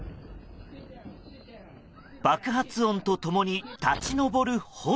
爆発音と共に立ち上る炎。